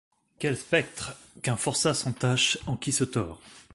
Quel spectre : qu’un forçat sans tache, en qui se tord